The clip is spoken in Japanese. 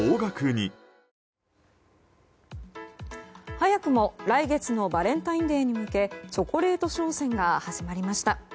早くも来月のバレンタインデーに向けチョコレート商戦が始まりました。